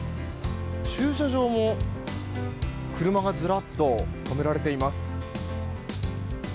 駐車場も車がずらっと止められています。